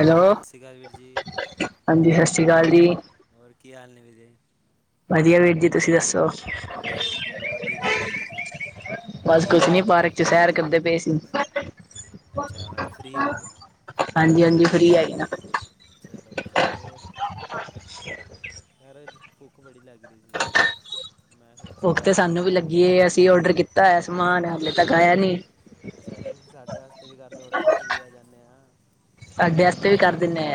Hello ਸਤਿ ਸ਼੍ਰੀ ਅਕਾਲ ਵੀਰ ਜੀ ਹਾਂਜੀ ਸਤਿ ਸ਼੍ਰੀ ਅਕਾਲ ਜੀ। ਕੀ ਹਾਲ ਨੇ ਵੀਰੇ। ਵਧੀਆ ਵੀਰ ਜੀ ਤੁਸੀਂ ਦੱਸੋ ਵਧੀਆ ਜੀ ਵਧੀਆ, ਹੋਰ ਕੀ ਕਰ ਰਹੇ ਸੀ ਤੁਸੀਂ ਬਸ ਕੁਛ ਨੀ ਪਾਰਕ ਚ ਸੈਰ ਕਰਦੇ ਪਏ ਸੀ। ਅੱਛਾ ਮਤਲਬ ਫ੍ਰੀ ਹੋ ਹਾਂਜੀ, ਹਾਂਜੀ ਫਰੀ ਆਈ ਨਾ ਚਲੋ ਹੋਰ ਯਰ ਬੁੱਕ ਬੜੀ ਲੱਗ ਰਹੀ ਸੀ ਬਸ ਮੈਂ ਕੁ ਸੋਚਿਆ ਤੇ ਦੇਖੋ ਸਾਨੂੰ ਵੀਰ ਵੀ ਲੱਗੀਏ ਅਸੀਂ ਵੀ ਓਡਰ ਕੀਤਾ ਹੋਆ ਸਮਾਨ ਹਾਲੇ ਤੱਕ ਆਇਆ ਨੀ ਅੱਛਾ ਜੀ ਸਾਡੇ ਵਾਸਤੇ ਵੀ ਕਰਦੋਡ ਅਸੀਂ ਵੀ ਆ ਜਾਂਦੇ ਹਾਂ ਸਾਡੇ ਵਾਸਤੇ ਵੀ ਕਰ ਦਿੰੇ ਆ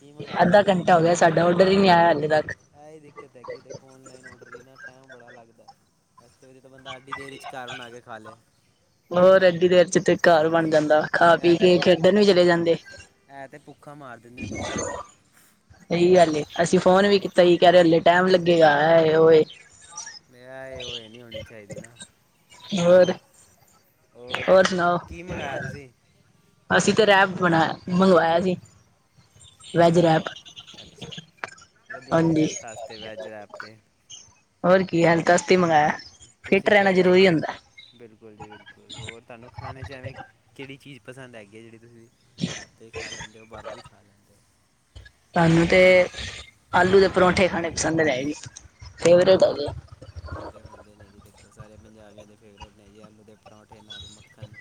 ਕੀ ਮੰਗਾਇਆ ਅੱਧਾ ਘੰਟਾ ਹੋ ਗਿਆ ਸਾਡਾ ਓਡਰ ਹੀ ਨਹੀਂੀ ਆਇਆ ਹਾਲੇ ਤੱਕ ਇਹ ਹੀ ਦਿੱਕਤ ਹੈਗੀ ਦੇਖੋ ਔਨਲਾਈਨ ਔਡਰ ਇਨਾ ਟਾਈਮ ਬੜਾ ਲੱਗਦਾ ਇਸਸ ਵ ਤਾਂ ਬੰਦਾ ਐਡੀ ਦੇਰ ਵਿਚ ਘ ਬਣਾ ਕੇ ਖਾ ਲੈ ਹੋਰ ਐਡੀ ਦੇਰ ਚ ਤੇ ਘਰ ਬਣ ਜਾਂਦਾ ਖਾ ਪੀ ਕੇ ਖੇਡਣ ਵੀ ਚਲੇ ਜਾਂਦੇ ਇਹ ਤੇ ਭੁੱਖਾ ਮਾਰ ਦਿੰਦੇ ਨੇ ਬੰਦੇ ਨੂੰ ਹ ਅਸੀਂ ਫੋਨ ਵੀ ਕੀਤਾ ਸੀ ਕਹਿ ਰ ਹਲੇ ਟਾਈਮ ਲੱਗੇਗਾ ਹੈ ਉਹਏ ਮੈਂ ਉਹ ਨਹੀਂੀ ਹੋਣੀ ਚਾਹੀਦੀ ਨਾ ਹੋਰ ਹੋਰ ਕੀ ਮੰਗਇਆ ਤੁਸੀਂ ਅਸੀਂ ਤੇ ਰਹਿ ਬਣਾਇ ਮੰਗਵਾਇਆ ਸੀ ਕਿਹੜਾ ਰੈਪ ਅੱਛਾ ਵਧੀਆ ਹੈ ਹਾਂਜੀ ਹੈਲਥ ਵਾਸਤੇ ਵੈਜ ਰੈਪ 'ਤੇ ਹੋਰ ਕੀ ਹਾਲਤਸਤੀ ਮੰਗਵਾਆ ਫਿੱਟ ਤੁਸੀਂ ਰਹਿਣਾ ਕਹਿ ਰਹੇ ਜਰੂਰੀ ਸੀ ਹੁੰਦਾ ਬਿਲਕੁਲ ਜੀ ਬਿਲਕੁਲ ਹੋਰ ਤੁਹਾਨੂੰ ਖਾਣੇ ਚ ਐਵੇਂ ਕਿਹੜੀ ਚੀਜ਼ ਪਸੰਦ ਹੈਗੀ ਹੈ ਜਿਹੜੀ ਤੁਸੀਂ ਘਰ ਤੋਂ ਹੀ ਖਾ ਲੈਂਦੇ ਹੋ ਬਾਹਰੋਂ ਵੀ ਖਾ ਲੈਂਦੇ ਹੋ ਤੁਾਨੂੰ ਤੇ ਆਲੂ ਦੇ ਪਰੋਂਂਠੇ ਖਾਣੇ ਪਸੰਦ ਰਗੀੀ ਬਿਲਕੁਲ ਜੀ ਇਹ ਤੇ ਖਾਂਦੇ ਨੇ ਜੀ ਸਾਰੇ ਪੰਜਾਬੀਆਂ ਦੇ ਫੇਵਰੇਟ ਨੇ ਜੀ ਆਲੂ ਦੇ ਪਰੌਂਠੇ ਨਾਲ ਮੱਖਣ।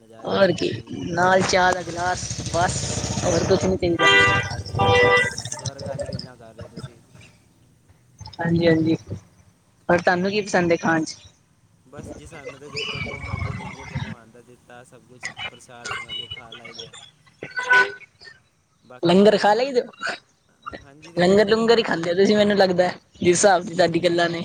ਨਜ਼ਾਰੇ ਆ ਹੋਰ ਜਾਂਦੇ ਕੀ ਨੇ ਜੀ ਨਾਲ ਚਾਹ ਦਾ ਗਲਾਸ ਬਸ ਹੋਰ ਕੁਝ ਨਹੀਂ ਚਾਹੀਦਾ। ਹੈ ਤੇ ਸਵਰਗ ਵਾਲੀ ਗੱਲਾਂ ਕਰ ਰਹੇ ਤੁਸੀਂ ਹਾਂਜੀ ਹਾਂਜੀ ਰ ਤੁਹਾਨੂੰ ਕੀ ਪਸੰਦ ਖਾਣ ਚ ਬਸ ਜੀ ਸਾਨੂੰ ਤਾਂ ਦੇਖੋ ਜੋ ਮਰਜ਼ੀ ਮਿਲ ਜਾ ਭਗਵਾਨ ਦਾ ਦਿੱਤਾ ਸਭ ਕੁਛ ਪ੍ਰਸ਼ਾਦ ਸਮਝ ਕੇ ਖਾਲਾਇਦਾ ਲੰਗਰ ਖਾ ਲਈ ਦਿਓ ਹਾਂਜੀ ਦੇਖੋ ਲੰਗਰ ਲੂੰਗਰ ਹੀ ਭਗਵਾਨ ਖਾਂਦੇ ਹੋ ਤੁਸੀਂ ਮੈਨੂੰ ਲੱਗਦਾ ਜਿਸ ਹਿਸਾਬ ਸਾਡੀ ਗੱਲਾਂ ਨੇ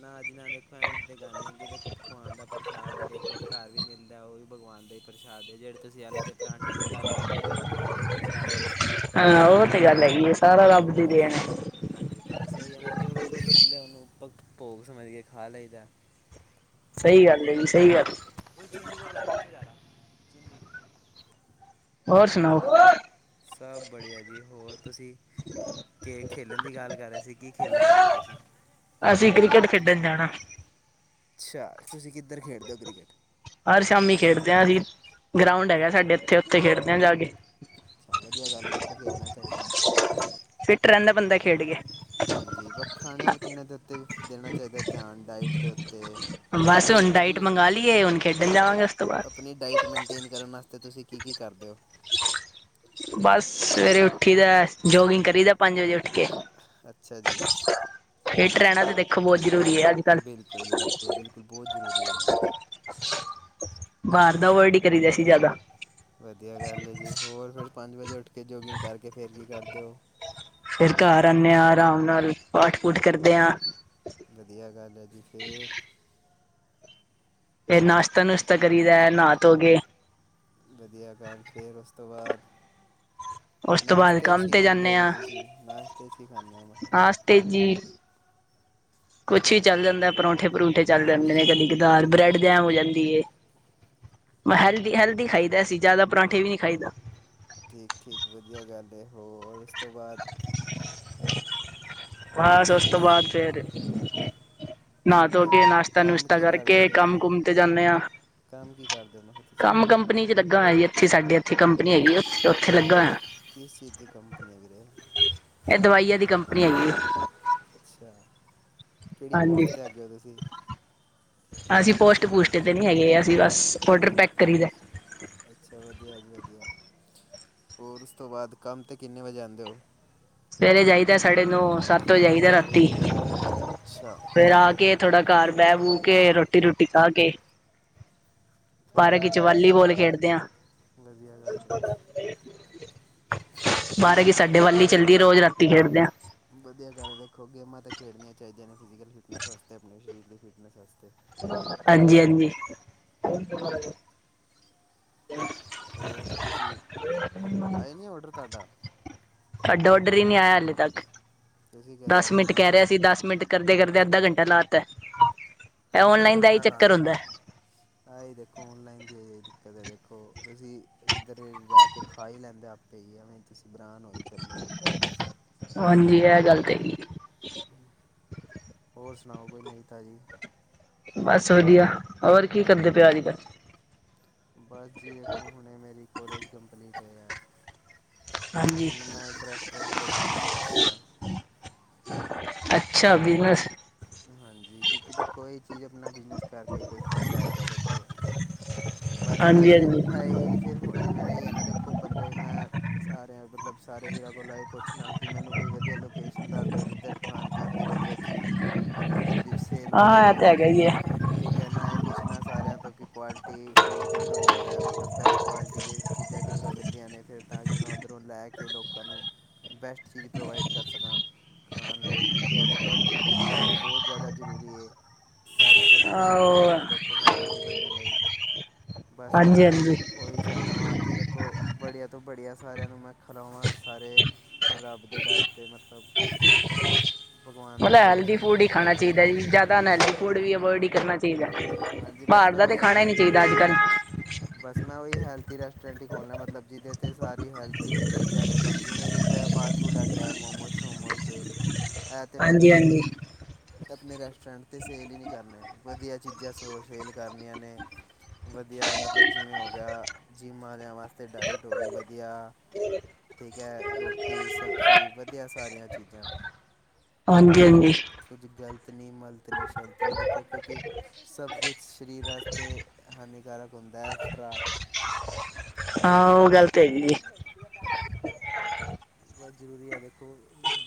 ਨਾ ਜੀ ਨਾ ਦੇਖੋ ਐਵੇਂ ਤੇ ਗੱਲ ਨੀ ਹੈਗੀ ਦੇਖ ਪਗਵਾਨ ਦਾ ਪ੍ਰਸ਼ਾਦ ਦੇਖੋ ਘਰ ਵੀ ਮਿਲਦਾ ਉਹ ਵੀ ਭਗਵਾਨ ਪਾਉਂਦੇ ਪ੍ਰਸ਼ਾਦੇ ਜਿਹੜੇ ਤੁਸੀਂ ਆਲੂ ਦੇ ਪਰਾਂਠਿਆਂ ਦੀ ਗੱਲ ਕਰ ਰਹੇ ਹੋ ਵੀ ਭਗਵਾਨ ਦਾ ਹੀ ਪ੍ਰਸ਼ਾਦ ਹੈ ਹਾਂ ਉਹ ਤੇ ਗੱਲ ਹੈਗੀ ਹੈ ਸਾਰਾ ਲੱਬਦੀ ਰ ਨੇ ਹਾਂਜੀ ਬਸ ਉਹੀ ਹੈ ਨਾ ਜੋ ਵੀ ਕੁੱਝ ਮਿਲਿਆ ਉਹਨੂੰ ਭੋਗ ਸਮ ਮਧਏ ਖਾ ਲਈਦਾ ਸਹੀ ਗੱਲ ਹੈ ਜੀ ਸਹੀ ਗੱਲ ਕੋਈ ਚੁੰਨੀ ਕੋ ਬੁਲਾ ਪੀਛੇ ਜਾਾਰਾ ਹੋਰ ਸੁਣਾਓ ਸਭ ਬੜੀਆ ਜੀ ਹੋਰ ਤੁਸੀਂ ਕੇ ਖੇਲਣ ਦੀ ਗੱਲ ਕਰ ਰਹੇ ਸੀ। ਕੀ ਖੇਲਣ ਜਾਣਾ ਤੁਸੀਂ? ਤੁਸੀਂ ਕ੍ਰਿਕਟ ਖੇਡਣ ਜਾਣਾ। ਅੱਛਾ ਤੁਸੀਂ ਕਿੱਧਰ ਖੇਡਦੇ ਹੋ ਕ੍ਰਿਕਟ? ਹਰ ਸ਼ਾਮੀ ਖੇਡਦੇ ਹਾਂ ਅਸੀਂ ਗਰਾਉਂਡ ਹੈਗਾ ਸਾਡੇ ਇੱਥੇ ਉੱਥੇ ਖੇਡਦੇ ਹਾਂ ਜਾ ਕੇ। ਅੱਛਾ ਵਧੀਆ ਗੱਲ ਹੈ ਦੇਖੋ ਖੇਡਣਾ ਚਾਹੀਦਾ। ਫਿੱਟ ਰਹਿੰਦਾ ਬੰਦਾ ਖੇਡ ਗਿਆ। ਹਾਂਜੀ ਖਾਣੇ ਪੀਣ ਦੇ ਉੱਤੇ ਵੀ ਦੇਣਾ ਚਾਹੀਦਾ ਧਿਆਨ ਡਾਇਟ ਦੇ ਉੱਤੇ। ਬਸ ਤੁਸੀਂ ਹੁਣ ਡਾਇਟ ਆਪਣੀ ਮੰਗਾਂ ਲਈ ਏ ਹੁਣ ਖੇਡਣ ਜਾਵਾਂਗੇ। ਤੋਂ ਬਾਅਦ ਆਪਣੀ ਡਾਈਟ ਮੇਨਟੇਨ ਕਰਨ ਵਾਸਤੇ ਤੁਸੀਂ ਕੀ ਕੀ ਕਰਦੇ ਹੋ? ਬਸ ਸਵੇਰੇ ਉੱਠੀ ਦਾ ਜੋਗਿੰਗ ਕਰੀ ਦਾ ਪੰਜ ਵਜੇ ਉੱਠ ਕੇ। ਅੱਛਾ ਜੀ ਇਹ ਟਰੈਨਾਂ ਤੇ ਦੇਖੋ ਬਹੁਤ। ਜ਼ਰੂਰੀ ਹੈ ਅੱਜ ਕੱਲ ਬਿਲਕੁਲ ਜੀ, ਬਿਲਕੁਲ, ਬਿਲਕੁਲ ਬਹੁਤ ਜ਼ਰੂਰੀ ਹੈ ਜੀ। ਬਾਹਰ ਦਾ ਅਵੋਇਡ ਹੀ ਕਰੀ ਦਾ ਸੀ ਜ਼ਿਆਦਾ। ਵਧੀਆ ਗੱਲ ਹੈ ਜੀ ਹੋਰ ਫਿਰ ਪੰਜ ਵਜੇ ਉੱਠ ਕੇ ਜੋਗਿੰਗ ਕਰਕੇ ਫਿਰ ਕੀ ਕਰਦੇ ਹੋ? ਫਿਰ ਘਰ ਆਉਂਦੇ ਹਾਂ, ਆਰਾਮ ਨਾਲ ਪਾਠ ਪੂਠ ਕਰਦੇ ਹਾਂ। ਵਧੀਆ ਗੱਲ ਹੈ ਜੀ ਫਿਰ ਫਿਰ ਨਾਸ਼ਤਾ ਨੁਸ਼ਤਾ ਕਰੀਦਾ ਨਹਾ ਧੋ ਕੇ। ਵਧੀਆ ਗੱਲ ਇਹ ਫਿਰ ਉਸ ਤੋਂ ਬਾਅਦ? ਉਸ ਤੋਂ ਬਾਅਦ ਨਾਸ਼ਤੇ ਚ ਕੰਮ ਹੀ ਤੇ ਖਾਂਦੇ ਹੋ ਜਾਂਦੇ ਜੀ ਹਾਂ ਤੁਸੀਂ ਨਾਸ਼ਤੇ ਚ ਹੀ ਖਾਂਦੇ ਹੋ? ਨਾਸ਼ਤੇ ਜੀ ਕੁਛ ਹੀ ਚੱਲ ਜਾਂਦਾ ਪਰੌਂਠੇ ਪਰੂਠੇ ਚੱਲ ਜਾਂਦੇ ਨੇ ਕਦੀ ਕਦਾਰ ਬ੍ਰੈਡ ਜੈਮ ਹੋ ਜਾਂਦੀ ਹੈ। ਮੈਂ ਹੈਲਦੀ ਹੈਲਦੀ ਖਾਈਦਾ ਅਸੀਂ ਜ਼ਿਆਦਾ ਪਰਾਂਠੇ ਵੀ ਨਹੀਂ ਖਾਈਦਾ। ਠੀਕ ਠੀਕ ਵਧੀਆ ਗੱਲ ਹੈ ਹੋਰ ਉਸ ਤੋਂ ਬਾਅਦ? ਬਸ ਉਸ ਤੋਂ ਬਾਅਦ ਫਿਰ। ਨਾ ਕੰਮ ਧੋ ਤੇ ਕੇ ਨਾਸ਼ਤਾ ਕੰਮ ਨੁਸ਼ਤਾ ਕੀ ਕਰਦੇ ਹੋ ਕਰਕੇ ਕੰਮ ਤੁਸੀਂ ਕੁਮ ਤੇ ਜਾਂਨੇ ਆ। ਕੰਮ ਕੀ ਕਰਦੇ ਮੈਂ ਕਿਹਾ ਤੁਸੀਂ? ਲੱਗਾ ਜ ਇੱਥੇ ਸਾਡੇ ਇੱਥੇ ਕੰਪਨੀ ਹੈਗੀ ਉੱਥ ਉੱਥੇ ਲੱਗਾ ਹੋਇਆ। ਕਿਸ ਚੀਜ਼ ਦੀ ਕੰਪਨੀ ਵੀਰੇ? ਇਹ ਦਵਾਈਆਂ ਦੀ ਕੰਪਨੀ ਹੈਗੀ ਏ। ਅੱਛਾ ਕਿਹੜੀ ਹਾਂਜੀ ਪੋਸਟ ਤੇ ਹੈਗੇ ਹੋ ਤੁਸੀਂ? ਅਸੀਂ ਪੋਸਟ ਪੂਸਟ ਤੇ ਨਹੀਂ ਹੈਗੇ ਅਸੀਂ ਬਸ ਆਰਡਰ ਪੈਕ ਕਰੀ ਦਾ। ਅੱਛਾ ਵਧੀਆ ਜੀ ਵਧੀਆ। ਹੋਰ ਉਸ ਤੋਂ ਬਾਅਦ ਕੰਮ ਤੇ ਕਿੰਨੇ ਵਜੇ ਆਉਂਦੇ ਹੋ ਸਵੇਰੇ ਜਾਈਦਾ ਸਾਢੇ ਨੌ ਸੱਤ ਵਜੇ ਜਾਈਦਾ ਰਾਤੀ ਅੱਛਾ ਫਿਰ ਆ ਕੇ ਥੋੜਾ ਘਰ ਬਹਿ ਬੂ ਕੇ ਰੋਟੀ ਰੋਟੀ ਖਾ ਕੇ। ਪਾਰਕ ਵਿੱਚ ਵਾਲੀਬਾਲ ਖੇਡਦੇ ਹਾਂ ਵਧੀਆ ਗੱਲ ਬਾਰਾਂ ਕੀ ਸਾਡੇ ਵੱਲੀ ਚੱਲਦੀ ਰੋਜ਼ ਰਾਤੀ ਖੇਡਦੇਆਂ। ਵਧੀਆ ਗੱਲ ਦੇਖੋ ਗੇਮਾਂ ਤਾਂ ਖੇਡਣੀਆਂ ਚਾਹੀਦੀਆਂ ਨੇ ਫਿਜੀਕਲ ਫਿਟਨਸ ਵਾਸਤੇ ਆਪਣੇ ਸਰੀਰ ਦੀ ਫਿਟਨਸ ਵਾਸਤੇ। ਹਾਂਜੀ ਹਾਂਜੀ ਹੋਰ ਤੁਸੀਂ ਆਏ ਨਹੀਂ ਔਡਰ ਤੁਹਾਡਾ। ਸਾਡਾ ਨਹੀਂ [inaudible] ਆਇਆ ਹਾਲੇ ਤੱਕ ਤੁਸੀਂ ਕਹਿ ਰਹੇ ਹੋ ਦਸ ਅੱਧਾ ਮਿੰਟ ਕਹਿ ਰਿਹਾ ਘੰਟਾ ਹੋ ਸੀ ਗਿਆ ਦਸ ਮਿੰਟ ਕਰਦੇ ਕਰਦੇ ਅੱਧਾ ਘੰਟਾ ਲਾ ਤਾ। ਅੱਧਾ ਘੰਟਾ ਲੱਗਾ ਤਾਂ ਆਈ ਦੇਖੋ ਔਨਲਾਈਨ ਦੀ ਆਈ ਆ। ਕਦੇ ਦੇਖੋ ਤੁਸੀਂ ਇੱਧਰ ਜਾ ਕੇ ਖਾਈ ਹੀ ਲੈਂਦੇ ਆਪੇ ਹੀ ਆ ਐਵੇਂ ਤੁਸੀਂ ਬਰਾਨ ਹੋ ਹੀ ਚੱਲੋ। ਹਾਂਜੀ ਇਹ ਗੱਲ ਤੇ ਹੈਗੀ। ਹੋਰ ਸੁਣਾਓ ਕੋਈ ਨਵੀਂ ਤਾਜ਼ੀ। ਬਸ ਵਧੀਆ ਹੋਰ ਕੀ ਕਰਦੇ ਪਏ ਅੱਜ ਕੱਲ? ਬਸ ਜੀ ਦੇਖੋ ਹੁਣੇ ਮੇਰੀ ਕੋਲੇਜ ਕੰਪਲੀਟ। ਹੋਇਆ ਹਾਂਜੀ ਹੁਣ ਮੈਂ ਇੱਕ ਰੈਸਟੋਰੈਂਟ ਖੋਲਣ ਦੀ ਸੋਚ ਰਿਹਾ। ਅੱਛਾ ਬਿਜਨਸ ਹਾਂਜੀ ਕਿਉਂਕਿ ਚੀਜ਼ ਆਪਣਾ ਬਿਜਨਸ ਕਰਕੇ ਕੋਈ ਫਾਇਦਾ ਹੈਗਾ ਦੇਖੋ ਬਸ ਮੈਂ ਹਾਂਜੀ ਤੇ ਹਾਂਜੀ ਅ ਫਿਰ ਇਹਨਾਂ ਦੇ ਦੇਖੋ ਬੰਦੇ ਮੈਂ ਸਾਰਿਆਂ ਮਤਲਬ ਸਾਰੇ ਵੀਰਾਂ ਕੋਲ ਇਹ ਪੁੱਛਣਾ ਕਿ ਮੈਨੂੰ ਕੋਈ ਵਧੀਆ ਲੋਕੇਸ਼ਨ ਦੱਸ ਦੋ ਜਿੱਧਰ ਖਾਣ ਪੀਣ ਦੀ ਵਧੀਆ ਚੀਜ਼ ਸੇਲ ਹਾਂ ਇਹ ਹੋਵੇ ਤਾਂ ਹੈਗਾ ਹੀ ਹੈ ਠੀਕ ਹੈ ਮੈਂ ਕੁੱਛ ਨਾ ਸਾਰਿਆਂ ਤੋਂ ਕਿ ਕੁਆਲਿਟੀ ਫੂਡ ਕਿਧਰੋਂ ਮਿਲਦਾ ਹੈ ਮਤਲਬ ਬੈਸਟ ਕੁਆਲਿਟੀ ਦੀ ਚੀਜ਼ਾਂ ਕਿੱਧਰੋਂ ਮਿਲਦੀਆਂ ਫਿਰ ਤਾਂ ਕਿ ਮੈਂ ਉੱਧਰੋਂ ਲੈ ਕੇ ਲੋਕਾਂ ਨੂੰ ਬੈਸਟ ਚੀਜ਼ ਪ੍ਰੋਵਾਈਡ ਕਰ ਸਕਾਂ ਖਾਣ ਲਈ ਕਿਉਂਕਿ ਅੱਜ ਕੱਲ ਹੈਲਥ ਬਹੁਤ ਜ਼ਿਆਦਾ ਜ਼ਰੂਰੀ ਹੈਲਥ ਸੈਕਟਰ ਮੈਟਰ ਆਹੋ ਕਰਦਾ ਦੇਖੋ ਹਰ ਕਿਸੇ ਬੰਦੇ ਲਈ ਬਸ ਇੱਕ ਹਾਂਜੀ ਮੈਂ ਹਾਂਜੀ ਉਹਹੀ ਚਾਹੁੰਦਾ ਹਾਂ ਕਿ ਦੇਖੋ ਬੜੇ ਤੋਂ ਬੜੀਆਂ ਸਾਰਿਆਂ ਨੂੰ ਮੈਂ ਖਲਾਵਾਂ ਸਾਰੇ ਰੱਬ ਦੇ ਡਰ 'ਤੇ ਮਤਲਬ ਭਗਵਾਨ ਦਾ ਮਤਲਬ ਭੋਗ ਹੈਲਦੀ ਸਮਝ ਫੂਡ ਕੇ ਹੀ ਖਾਣਾ ਖਾਈਏ ਚਾਹੀਦਾ ਜ ਜ਼ਿਆਦਾ ਨੈਲੀ ਫੂਡ ਵੀ ਅਵਾਇਡ ਹੀ ਕਰਨਾ ਚਾਹੀਦਾ ਹੈ ਹਾਂਜੀ ਬਸ ਬਾਹਰ ਮੈਂ ਦਾ ਤੇ ਉਹੀ ਖਾਣਾ ਹੀ ਨਹੀਂ ਚਾਹੀਦਾ ਅੱਜ ਕੱਲ [inaudible] ਬਸ ਮੈਂ ਉਹੀ ਹੈਲਥ ਰੈਸਟੋਰੈਂਟ ਹੀ ਖੋਲਣਾ ਮਤਲਬ ਜਿਹਦੇ ਤੇ ਸਾਰੀ ਹੈਲਥ ਚੀਜ਼ਾਂ ਮਿਲਣ ਜਿਵੇਂ ਦੇਖੋ ਫਸ ਫੂਡ ਆ ਗਿਆ ਮੋਮੋਸ ਮੋਮੋਸ ਹੈ ਤਾਂ ਹਾਂਜੀ ਮੈਨੇ ਹਾਂਜੀ ਆਪਣੇ ਰੈਸਟੋਰੈਂਟ 'ਤੇ ਸੇਲ ਹੀ ਨਹੀਂ ਕਰਨੇ ਵਧੀਆ ਚੀਜ਼ਾਂ ਸੇਲ ਕਰਨੀਆਂ ਨੇ ਵਧੀਆ ਮਤਲਬ ਜਿਵੇਂ ਹੋ ਗਿਆ ਜਿੰਮ ਆ ਜਾ ਵਾ ਡਾਇਟ ਹੋ ਗਈ ਵਧੀਆ ਠੀਕ ਹੈ ਰੋਟੀ ਸਬਜ਼ੀ ਵਧੀਆ ਸਾਰੀਆਂ ਚੀਜ਼ਾਂ ਹਾਂਜੀ ਹਾਂਜੀ ਕੁੱਝ ਗਲਤ ਨੀ ਮਲਤ ਨੀ ਸ਼ਲਤ ਨੀ ਦੇਖੋ ਕਿਉਂਕਿ ਸਭ ਕੁਛ ਸਰੀਰ ਵਾਸਤੇ ਹਾਨੀਕਾਰਕ ਹੁੰਦਾ ਐਕਸਟਰਾ ਹਾਂ ਉਹ ਗਲਤ ਹੈ ਜ ਜ ਬਸ ਜ਼ਰੂਰੀ ਹੈ ਦੇਖੋ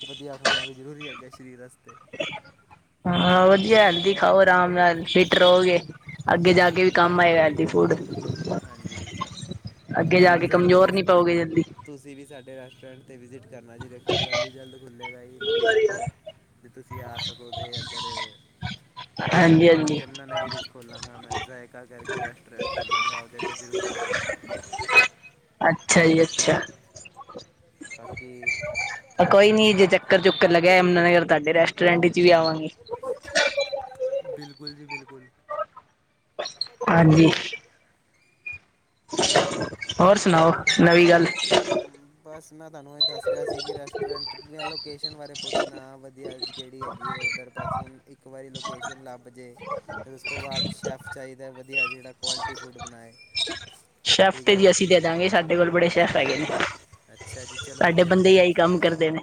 ਵਧੀਆ ਖਾਣਾ ਵੀ ਜ਼ਰੂਰੀ ਹੈਗਾ ਸਰੀਰ ਵਾਸਤੇ ਹਾਂ ਵਧੀਆ ਹੈਲਦੀ ਖਾਓ ਆਰਾਮ ਨਾਲ ਫਿਟ ਰਹੋਗੇ ਅੱਗੇ ਜਾ ਕੇ ਵੀ ਕੰਮ ਆਏਗਾ ਡੀ ਫੋਲਡਰ ਹਾਂਜੀ ਅੱਗੇ ਤੁਸੀਂ ਜਾ ਵੀ ਕੇ ਸਾਡੇ ਕਮਜ਼ੋਰ ਨਹੀਂ ਪਾਓਗੇ ਜਲਦੀ ਤੁਸੀਂ ਵੀ ਸਾਡੇ ਰੈਸਟੋਰੈਂਟ ਅਤੇ ਵਿਜ਼ਿਟ ਕਰਨਾ ਜੀ ਦੇਖੋ ਜਲਦੀ ਜਲਦ ਖੁੱਲ੍ਹੇਗਾ ਜੀ ਮਤਲਬ ਅਤੇ ਜ ਤੁਸੀਂ ਆ ਸਕੋ ਤਾਂ ਇੱਧਰ ਹਾਂਜੀ ਹਾਂਜੀ ਯਮੁਨਾਾਨਗਰ ਵਿੱਚ ਖੋਲਾਂਗਾ ਮੈਂ ਜਾਇਕਾ ਕਰਕੇ ਰੈਸਟੋਰੈਂਟ ਖੋਲ੍ਹਾਂਗਾ ਉਹਦੇ ਅਤੇ ਜ਼ਰੂਰ ਆਉਣਾ ਰੈਸਟੋਰੈਂਟ ਅੱਛਾ ਜੀ ਅੱਛਾ ਤਾਂਕੀ ਕੋਈ ਨੀ ਜੇ ਚੱਕਰ ਚੁੱਕਰ ਲਗਿਆ ਅਮਗਰ ਤੁਹਾਡੇ ਰੈਸਟੋਰੈਂਟ ਵਿੱਚ ਵੀ ਆਵਾਂਗੇ ਬਿਲਕੁਲ ਜੀ ਬਿਲਕੁਲ ਹਾਂਜੀ ਹੋਰ ਸੁਣਾਓ ਨਵੀਂ ਗੱਲ ਮੈਂ ਬਸ ਤੁਹਾਨੂੰ ਇਹ ਦੱਸ ਰਿਹਾ ਸੀ ਕਿ ਰੈਸਟੋਰੈਂਟ ਲੋਕੇਸ਼ਨ ਬਾਰੇ ਪੁੱਛਣਾ ਵਧੀਆ ਕਿਹੜੀ ਹੈਗੀ ਹੈ ਉੱਧਰ ਬਸ ਹੁਣ ਇੱਕ ਵਾਰੀ ਲੋਕੇਸ਼ਨ ਲੱਭ ਜੇ ਫਿਰ ਉਸ ਤੋਂ ਬਾਅਦ ਸੈਫ ਚਾਹੀਦਾ ਵਧੀਆ ਜਿਹੜਾ ਕੁਆਲਿਟੀ ਫੂਡ ਬਣਾਏ ਸੈਫ ਠੀਕ ਤੇ ਹੈ ਜੀ ਅਸੀਂ ਦੇ ਦਾਂਗੇ ਸਾਡੇ ਕੋਲ ਬੜੇ ਸੈਫ ਹੈਗੇ ਨੇ ਅੱਛਾ ਜੀ ਚਲੋ ਸਾਡੇ ਫਿਰ ਬੰਦੇ ਆਹੀ ਕੰਮ ਕਰਦੇ ਨੇ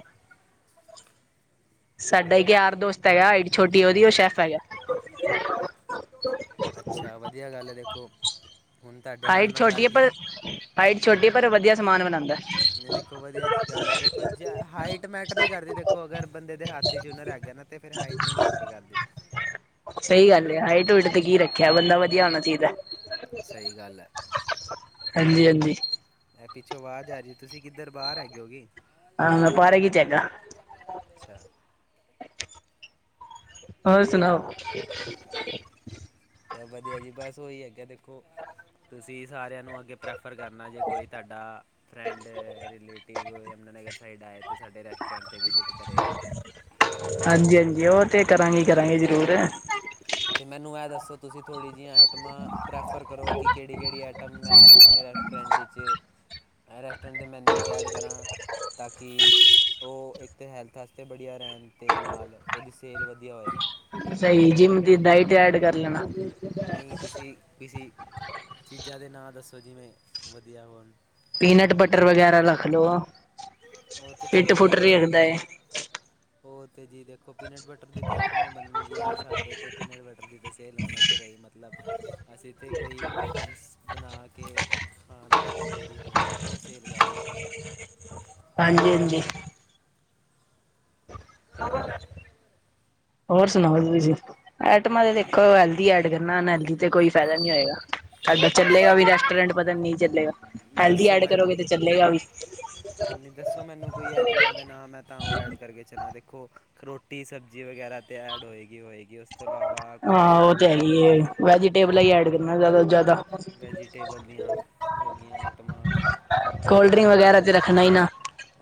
ਸਾਡਾ ਇੱਕ ਯਾਰ ਦੋਸਤ ਹੈਗਾ ਐਡੀ ਛੋਟੀ ਉਹਦੀ ਉਹ ਸ਼ੈਫ ਹੈਗਾ ਅੱਛਾ ਵਧੀਆ ਗੱਲ ਹੈ ਦੇਖੋ ਹੁਣ ਤੁਹਾਡੇ ਨਾਲ ਹਾਈਟ ਮੈਂ ਛੋਟੀ ਗੱਲ ਹੈ ਪਰ ਕੀਤੀ ਹਾਈਟ ਛੋਟੀ ਹੈ ਪਰ ਵਧੀਆ ਸਮਾਨ ਬਣਾਉਂਦਾ ਨਹੀਂ ਦੇਖੋ ਵਧੀਆ ਗੱਲ ਹੈ ਦੇਖੋ ਹਾਈਟ ਮੈਟਰ ਨਹੀਂ ਕਰਦੀ ਦੇਖੋ ਅਗਰ ਬੰਦੇ ਦੇ ਹੱਥ ਚੂੁਨਰ ਹੈਗੇ ਕਦਾ ਤੇ ਫਿਰ ਹਾਈਟ ਨਹੀਂ ਮੈਟਰ ਕਰਦੀ ਸਹੀ ਗੱਲ ਹੈ ਹੇ ਢੋਏਡ ਤੇ ਕੀ ਰੱਖਿਆ ਬੰਦਾ ਵਧੀਆ ਹੋਣਾ ਚਾਹੀਦਾ ਸਹੀ ਗੱਲ ਹੈ ਹਾਂਜੀ ਹਾਂਜੀ ਇਹ ਪਿੱਛੋਂ ਬਾਹਰ ਜਾ ਜ ਤੁਸੀਂ ਕਿੱਧਰ ਬਾਹਰ ਹੈਏਿ ਹੋ ਗਗੇ ਆਹ ਮ ਪਰਕ ਚਗਾ ਅੱਛਾ ਹੋਰ ਸੁਣਾਓ ਤਾਂ ਵਧੀਆ ਜੀ ਬਸ ਉਹੀ ਹੈਗੇ ਦੇਖੋ ਤੁਸੀਂ ਸਾਰਿਆਂ ਨੂੰ ਅੱਗੇ ਪ੍ਰੈਫਰ ਸਫਰ ਕਰਨਾ ਜੇ ਕੋਈ ਤੁਹਾਡਾ friend relative Yamuna Nagar side ਆਏ ਅਤੇ ਸਾਡੇ ਰੈਸਟੋਰੈਂਟ ਤੇ ਵਿਜ਼ਿਟ ਕਰੇ ਹਾਂਜੀ ਹਾਂਜੀ ਉਹ ਤੇ ਕਰਾਂਗੇ ਕਰਾਂਗੇ ਜ਼ਰੂਰ ਤੇ ਮੈਨੂੰ ਇਹ ਦੱਸੋ ਤੁਸੀਂ ਥੋੜੀ ਜਹੀਆਂ ਆਈਟਿਮਾ ਪ੍ਰੈਫਰ ਕਰੋ ਕਿਹੜੀ ਕਿਹੜੀ ਆਈਟਮ ਆਈਟਮ ਮੈਂ ਆਪਣੇ ਰੈਸਟੋਰੈਂਟ 'ਵਿਚ ਰੈਸਟੋਰੈਂਟ ਦੇ ਮੈਨਿਊ ਚ ਐਡ ਕਰਾਂ, ਤਾਂ ਕਿ ਉਹ ਇੱਕ ਅਤੇ ਹੈਲਥ ਵਾਸਤੇ ਵਧੀਆ ਰਹਿਣ ਦੇ ਨਾਲ ਉਹਦੀ ਸੈਲ ਵਧੀਆ ਹੋਵੇ। ਸਹੀ ਜਿੰਮ ਦੀ ਡਾਇਟ ਐਡ ਕਰ ਲੈਣਾ ਨਹੀਂ, ਤੁਸੀਂ ਕਿਸੇ ਚੀਜ਼ਾਂ ਦੇ ਨਾਂ ਦੱਸੋ ਜਿਵੇਂ ਵਧੀਆ ਹੋਣ ਪੀਨਟ ਬਟਰ ਵਗੈਰਾ ਰੱਖ ਲਓ। ਉਹ ਤੇ ਪਿੱਟ ਚਲੋ ਜੀ ਫੁੱਟ ਰਰੇਗਦਾ ਹੈ। ਅਤੇ ਜੀ ਦੇਖੋ ਪੀਨਟ ਬਟਰ ਦੀ ਤਾਂ ਆਈਟਮਾਂ ਬਣ ਗਈਆਂ, ਸਾਡੇ ਤਾਂ ਪੀਨਟ ਬਟਰ ਦੀ ਸੇਲ ਹੋਣੇ ਤੋਂ ਰਹੀ ਮਤਲਬ ਅਸੀਂ ਤੇ ਕੋਈ ਆਈਟਮਸ ਬਣਾ ਕੇ ਖਾਣ ਵਾਸਤੇ ਜਿਹੜੀ ਹੋਣ ਉਹ ਫਰ -ਕਰ ਸਕਦੇ ਹਾਂ ਹਾਂਜੀ -ਹਾਂਜੀ। ਹਰ ਹੋਰ ਸੁਣਾਓ ਜੀ ਤੁਸੀਂ ਐਟਮਾਂ ਤੇ ਦੇਖੋ ਹੈਲਦੀ ਐਡ ਕਰਨਾ, ਨਹੀਂ ਤੇ ਕੋਈ ਫੈਦਾ ਨੀ ਹੋਏਗਾ। ਡ ਜੇ ਦੱਸ ਚੱਲੇਗਾ ਵੀ ਰੈਸਟੋਰੈਂਟ ਪਤਾ ਨਹੀਂ ਚੱਲੇਗਾ ਹੈਲਦੀ ਦੱਸੋ ਐਡ ਮੈਨੂੰ ਕਰੋਗੇ ਤੇ ਚੱਲੇਗਾ ਵੀ। ਨਹੀਂ ਦੱਸੋ ਮੈਨੂੰ ਕੋਈ ਐਟਮਾਂ ਦੇ ਨਾਂ ਮੈਂ ਤਾਂ ਉਹ ਐਡ ਕਰਕੇ ਚਲਾ ਦੇ ਦੇਖੋ ਰੋਟੀ ਸਬਜ਼ੀ ਵਗੈਰਾ ਤੇ ਐਡ ਹੋਏਗੀ, ਹੋਏਗੀ। ਉਸ ਤੋਂ ਇਲਾਵਾ ਕੋਈ ਹਾਂ, ਉਹ ਤੇ ਹੋਵੇ ਹੈਗੀ ਹੈ, ਵੈਜੀਟੇਬਲ ਹੀ ਐਡ ਕਰਨਾ ਜ਼ਿਆਦਾ ਤੋਂ ਜ਼ਿਆਦਾ। ਵੈਜੀਟੇਬਲ ਦੀਆਂ ਹੋ ਗਈਆਂ ਐਟਮਾਂ। ਕੋਲਡ ਰਿੰਕ ਵਗੈਰਾ ਤੇ ਰੱਖਣਾ ਹੀ ਨਾ।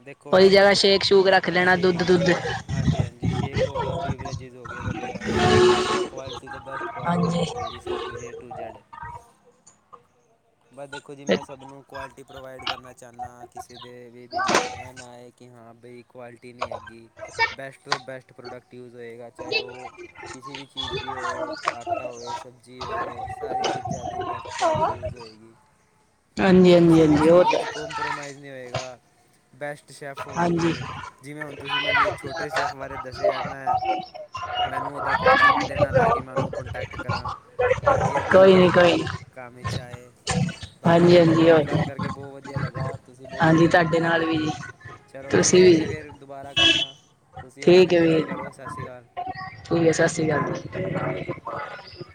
ਦੇਖੋ, ਇਹ ਉਹਦੀ ਤੇ ਜਗ੍ਹਾ ਫ ਸ਼ੇਕ ਸ਼ੂਕ ਰੱਖ ਲੈਣਾ ਦੁੱਧ ਸ਼ੇਕ ਦੁੱਧ ਵਗੈਰਾ ਹਾਂਜੀ- ਹਾਂਜੀ ਸ਼ੇਕ ਹੋ ਗਿਆ, ਬੀਵਰੇਜਿਸ ਹੋ ਗਏ ਵਧੀਆ ਵਧੀਆ ਕੁਆਲਿਟੀ ਦੇ ਬੈਸਟ ਕੁਆਲਿਟੀ ਦੇ ਹਾਂਜੀ ਹੋਣਗੇ ਜੀ ਸਭ ਕੁਛ ਏਟੂ ਜੈਡ। ਬਸ ਦੇਖੋ ਜੀ ਹਾਂਜੀ ਮੈਂ ਸਭ ਨੂੰ ਕੁਆਲਿਟੀ ਪ੍ਰੋਵਾਈਡ ਕਰਨਾ ਚਾਹੁੰਦਾ ਹਾਂ। ਦੇ ਵੀ ਦਿਲ 'ਚ ਐ ਨਾ ਆਏ, ਕਿ ਹਾਂ ਬਈ ਕੁਆਲਿਟੀ ਨਹੀਂ ਹੈਗੀ, ਬੈਸਟ ਤੋਂ ਬੈਸਟ ਪ੍ਰੋਡਕਟ ਯੂਜ ਹੋਏਗਾ ਚਾਹੇ ਉਹ ਕਿਸੀ ਵੀ ਚੀਜ਼ ਦੀ ਹੋਵੇ ਆਟਾ ਹੋਵੇ ਸਬਜ਼ੀ ਹੋਵੇ ਸਾਰੀ ਚੀਜ਼ਾਂ ਦੀ ਬੈਸਟ ਕੁਆਲਿਟੀ ਯੂਜ਼ ਹੋਏਗੀ, ਹਾਂਜੀ ਕਿਸੇ ਵੀ ਹਾਂਜੀ ਉਹ ਚੀਜ਼ ਵਿੱਚ ਤਾਂ ਕੋਪਰੋਮਾਈਜ਼ ਨਹੀਂ ਹੋਏਗਾ। ਬੈਸਟ ਹਾਂਜੀ [unintelligible] ੂੰ ਉਹਦਾ ਕੋਂਟੈਕਟ ਦੇਣਾ ਤਾਂ ਕਿ ਮੈਂ ਉਹਨੂੰ ਕੋਂਟੈਕਟ ਕਰਾਂ ਤਾਂ ਕਿ ਅੱਗੇ ਉਹ ਕੋਈ ਮੇਰੇ ਨੀ ਕੋਈ ਨੀ ਕਾਮ ਚ ਆਏ, ਬਾਕੀ ਹਾਂਜੀ ਤੁਹਾਡੇ ਹਾਂਜੀ ਨਾਲ ਉਹ ਗੱਲ ਕਰਕੇ ਬੋਤ ਵਧੀਆ ਲੱਗਾ। ਤੁਸੀਂ ਬਹੁਤ ਹਾਂਜੀ, ਵਧੀਆ ਤੁਹਾਡੇ ਬੰਦੇ ਹੋ ਨਾਲ ਵੀ ਜੀ। ਚਲੋ ਠੀਕ ਤੁਸੀਂ ਹੈ ਵੀ ਵੀਰੇ ਫੇਿਰ ਦੁਬਾਰਾ ਕਰਨਾ ਤੁਸੀਂ ਔਡਰ ਠੀਕ ਹੈ ਇੰਜੋਏ ਵੀਰ ਕਰੋ, ਸਤਿ ਸ਼੍ਰੀ ਅਕਾਲ। ਠੀਕ ਹੈ ਸਤਿ ਸ੍ਰੀ ਅਕਾਲ ਜੀ